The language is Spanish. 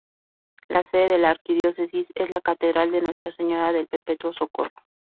La sede de la Arquidiócesis es la Catedral de Nuestra Señora del Perpetuo Socorro.